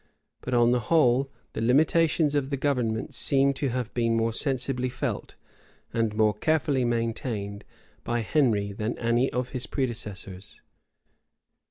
But on the whole, the limitations of the government seem to have been more sensibly felt, and more carefully maintained, by Henry than by any of his predecessors.